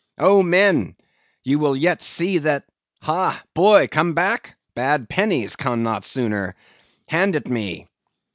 O men, you will yet see that—Ha! boy, come back? bad pennies come not sooner. Hand it me.